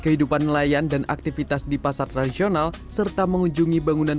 kehidupan nelayan dan aktivitas di pasar tradisional serta mengunjungi bangunan